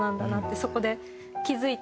そこで気付いて。